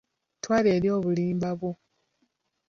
Twala eri obulimba bwo.